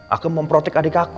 aku memprotect adik aku